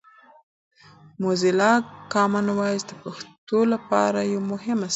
موزیلا کامن وایس د پښتو لپاره یوه مهمه سرچینه ده.